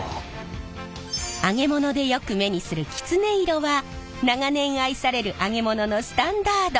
揚げ物でよく目にするキツネ色は長年愛される揚げ物のスタンダード！